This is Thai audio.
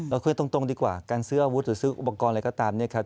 คุยตรงดีกว่าการซื้ออาวุธหรือซื้ออุปกรณ์อะไรก็ตามเนี่ยครับ